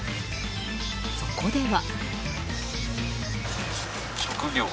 そこでは。